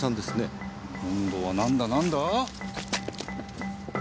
今度はなんだなんだ？